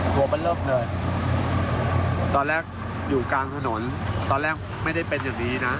ตัวบันเลิฟเลยตอนแรกอยู่กลางถนนตอนแรกไม่ได้เป็นอย่างนี้นะ